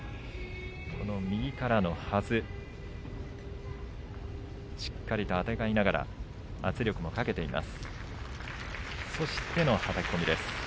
右からのはずしっかりとあてがいながら圧力もかけています。